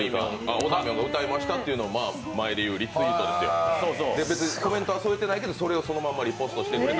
おだみょんが歌いましたというのを、前で言うリツイートですよ、別にコメントは添えてないけど、それをそのままリポストしてくれた。